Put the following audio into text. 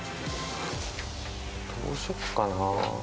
どうしようかな。